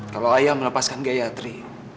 kalo ayah melepaskan gayatri